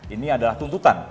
ini adalah tuntutan